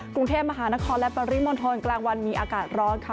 กรุงเทพมหานครและปริมณฑลกลางวันมีอากาศร้อนค่ะ